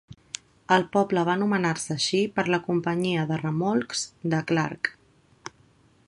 El poble va anomenar-se així per la companyia de remolcs de Clark.